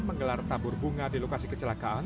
menggelar tabur bunga di lokasi kecelakaan